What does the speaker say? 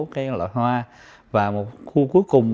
cái loại hoa và một khu cuối cùng